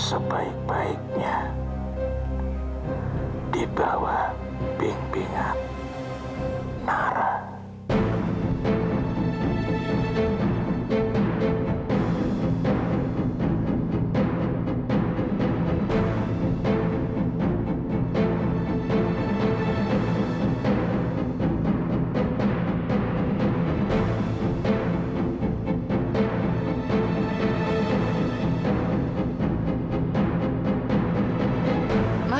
sebaik baiknya di bawah bimbingan narah